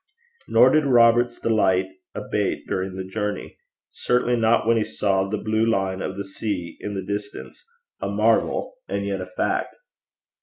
Nor did Robert's delight abate during the journey certainly not when he saw the blue line of the sea in the distance, a marvel and yet a fact.